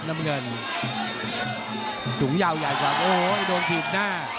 น้ำเงินสูงยาวใหญ่กว่าโอ้โหโดนถีบหน้า